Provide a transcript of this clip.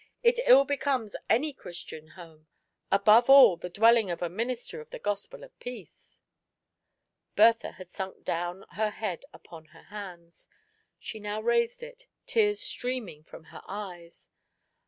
It ill becomes any Christian home; above all, the dwelling of a minister of the gospel of peace." Bertha had sunk down her head upon her hands; she now raised it, tears streaming from her eyes.